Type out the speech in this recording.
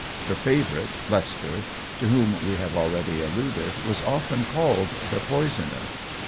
Her favourite Leicester, to whom we have already alluded, was often called "The Poisoner."